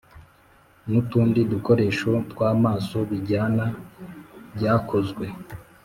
N utundi dukoresho tw amaso bijyana byakozwe